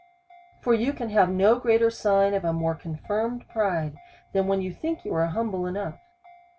For you can have no greater sign of a more con firmed pride, than when you think that 3^ou are hum ble enough.